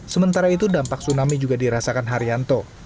sementara itu dampak tsunami juga dirasakan haryanto